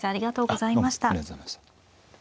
あっどうもありがとうございました。